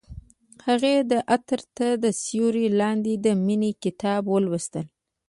هغې د عطر تر سیوري لاندې د مینې کتاب ولوست.